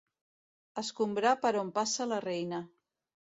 Escombrar per on passa la reina.